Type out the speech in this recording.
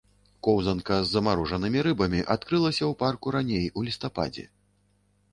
Коўзанка з замарожанымі рыбамі адкрылася ў парку раней у лістападзе.